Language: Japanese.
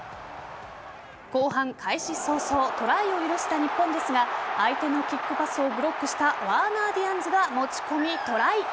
後半、開始早々トライを許した日本ですが相手のキックパスをブロックしたワーナー・ディアンズが持ち込みトライ。